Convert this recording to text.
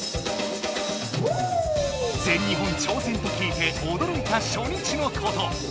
全日本ちょうせんと聞いておどろいたしょ日のこと。